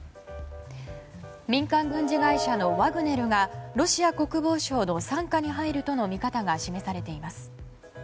民間軍事会社のワグネルがロシア国防省の傘下に入るとの見方が示されています。